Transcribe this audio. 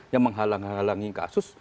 yang menghalangi kasus